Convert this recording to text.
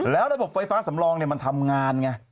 แล้วระบบไฟฟ้าสำรองมันทำงานไง